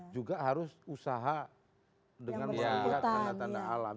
juga harus usaha dengan tanda tanda alam